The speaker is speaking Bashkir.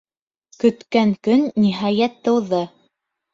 Көткән көн, ниһайәт, тыуҙы.